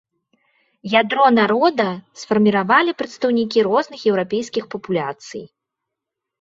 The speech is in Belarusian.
Ядро народа сфармавалі прадстаўнікі розных еўрапейскіх папуляцый.